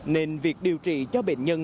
nên việc điều trị cho bệnh nhân